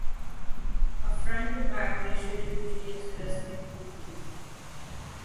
A front-to-back ratio is usually expressed in dB.